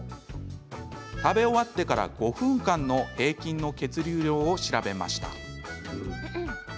食べ終わってから、５分間の平均の血流量を調べました。